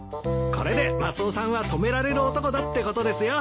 これでマスオさんは止められる男だってことですよ。